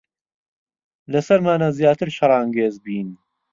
لەسەرمانە زیاتر شەڕانگێز بین.